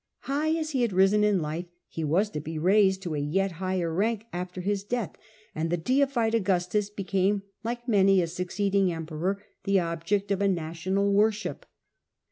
High as he had risen in life, he was to be raised to a yet higher rank after his death, and the Au^jstus deified Augustus became, like many a sue deihed ceeding emperor, the object of a national E^piana. worship.